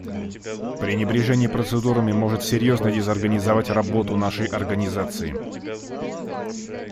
Пренебрежение процедурами может серьезно дезорганизовать работу нашей Организации.